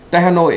tại hà nội